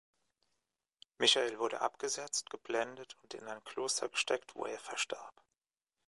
Michael wurde abgesetzt, geblendet und in ein Kloster gesteckt, wo er verstarb.